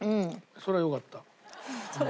「そりゃよかった」。